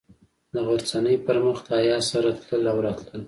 د غرڅنۍ پر مخ د حیا سره تلل او راتلل.